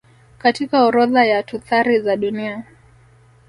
katika orodha ya tuthari za dunia